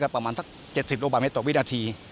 ประมาณสัก๗๐ลูกบาทเมตรต่อวินาที